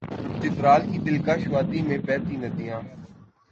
چترال کی دل کش وادی میں بہتی ندیاں